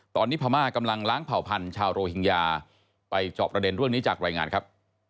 ตอนนี้พม่ากำลังล้างเผ่าพันธุ์ชาวโรฮิงญาไปจอบประเด็นเรื่องนี้จากรายงานครับ